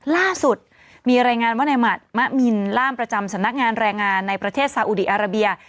ล่าสุดมีรายงานว่าในหมัดมะมินล่ามประจำสำนักงานแรงงานในประเทศซาอุดีอาราเบีย